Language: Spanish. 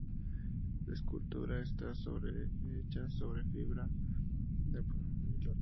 La escultura está hecha de fibra soportada por anillos de acero galvanizado pintado.